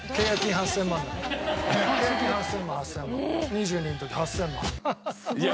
２２の時８０００万。